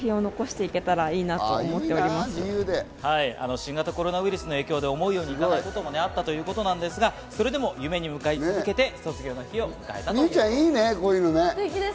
新型コロナウイルスの影響で思うようにいかないこともあったということですが、それでも夢に向かい続けて、こういうのいいよね。